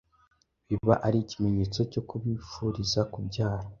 Biba ari ikimenyetso cyo kubifuriza kubyara.